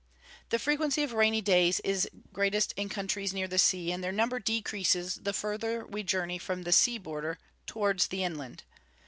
_ The frequency of rainy days is greatest in countries near the sea, and their number decreases the further we journey from the sea border towards the inland.